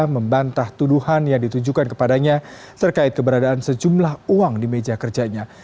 membantah tuduhan yang ditujukan kepadanya terkait keberadaan sejumlah uang di meja kerjanya